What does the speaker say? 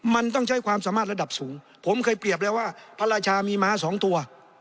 มันต้องใช้ความสามารถระดับสูงผมเคยเปรียบแล้วว่าภรรยามีม้าสองตัว